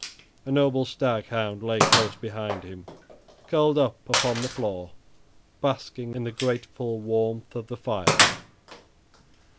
A noble stag hound lay close behind him, curled up upon the floor, basking in the grateful warmth of the fire.